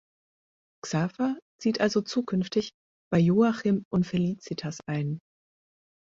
Xaver zieht also zukünftig bei Joachim und Felicitas ein.